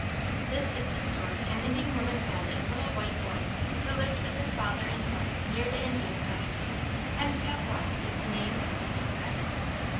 ] This is the story an Indian woman told a little white boy who lived with his father and mother near the Indians' country; and Tavwots is the name of the little rabbit.